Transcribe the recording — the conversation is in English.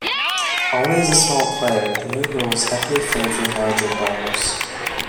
Always a small player, the new rules heavily favored larger players.